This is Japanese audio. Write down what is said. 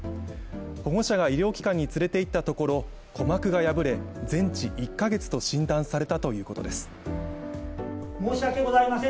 保護者が医療機関に連れて行ったところ鼓膜が破れ、全治１か月と診断されたということです。